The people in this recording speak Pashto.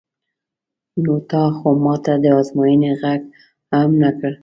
نو تا خو ما ته د ازموینې غږ هم نه کړ.